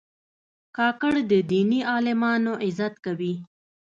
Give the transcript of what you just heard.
کاکړ د دیني عالمانو عزت کوي.